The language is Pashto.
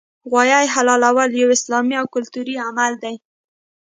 غوايي حلالول یو اسلامي او کلتوري عمل دی